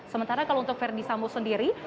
sementara kalau untuk verdi sambo sendiri